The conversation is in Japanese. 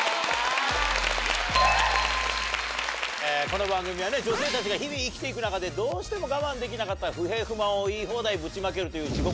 この番組は女性たちが日々生きて行く中でどうしても我慢できなかった不平不満を言い放題ぶちまけるという。